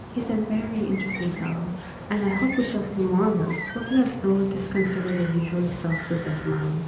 He is a very interesting fellow, and I hope we shall see more of him." What could have so disconcerted the usually self possessed Marlowe?